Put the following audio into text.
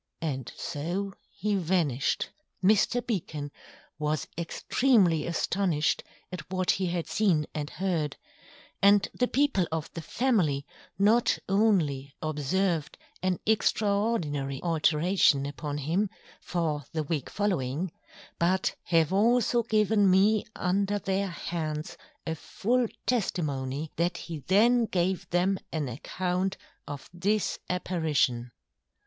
_ And so he Vanished. Mr. Beacon was extreamly astonished at what he had seen and hear'd; and the People of the Family not only observed an extraordinary Alteration upon him, for the Week following, but have also given me under their Hands a full Testimony, that he then gave them an Account of this Apparition.